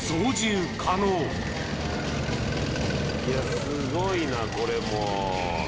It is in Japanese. いやすごいなこれもう。